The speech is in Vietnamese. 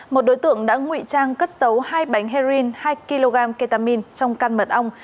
một đối tượng đã ngụy trang cất dấu hai bánh heroin hai kg ketamin trong căn mật ong